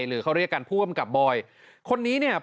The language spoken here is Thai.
หรือเขาเรียกกันผู้อำกับบอยคนนี้เนี่ย